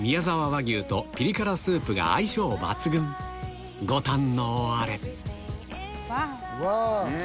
和牛とピリ辛スープが相性抜群ご堪能あれうわ。